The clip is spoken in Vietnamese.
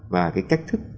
và cái cách thức